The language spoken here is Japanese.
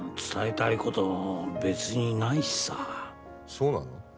そうなの？